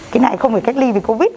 cái này không phải cách ly vì covid